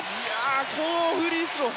このフリースロー